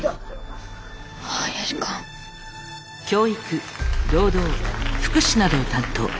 教育労働福祉などを担当。